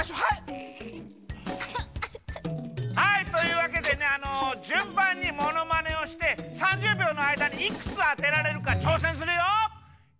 はいというわけでねあのじゅんばんにものまねをして３０びょうのあいだにいくつあてられるかちょうせんするよ！